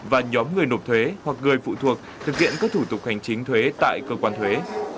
và nhóm người nộp thuế hoặc người phụ thuộc thực hiện các thủ tục hành chính thuế tại cơ quan thuế